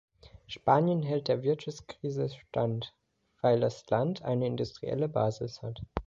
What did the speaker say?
Spanien hält der Wirtschaftskrise stand, weil das Land eine industrielle Basis hat.